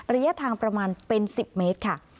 ระยะทางประมาณเป็น๑๐เมตรค่ะ